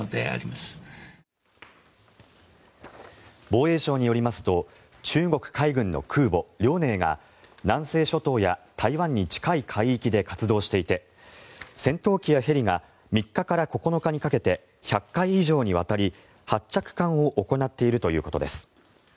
防衛省によりますと中国海軍の空母「遼寧」が南西諸島や台湾に近い海域で活動していて戦闘機やヘリが３日から９日にかけて１００回以上にわたり発着艦を行っているということです。